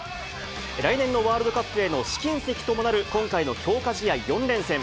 来年のワールドカップへの試金石ともなる、今回の強化試合４連戦。